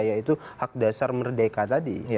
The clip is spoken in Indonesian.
yaitu hak dasar merdeka tadi